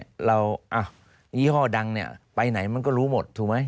เรายี่ห้อดังเนี่ยไปไหนมันก็รู้หมดถูกไหม